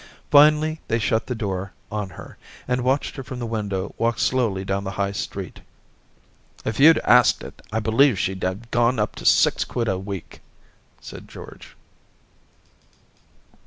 Finally they shut the door on her and watched her from the window walk slowly down the High Street. 276 Orientations * If you'd asked it, I believe she'd have gone up to six quid a week,' said George.